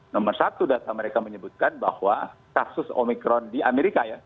nomor satu data mereka menyebutkan bahwa kasus omikron di amerika ya